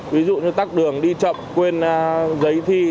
ví dụ như tắc đường đi chậm quên giấy thi